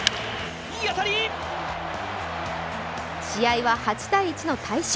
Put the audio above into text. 試合は８−１の大勝。